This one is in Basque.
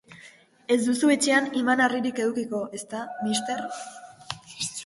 Ez duzu etxean iman-harririk edukiko, ezta, Mr.